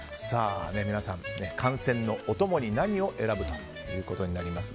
皆さん、観戦のお供に何を選ぶかということになりますが。